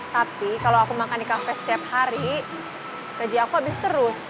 tapi kalau aku makan di kafe setiap hari kerja aku habis terus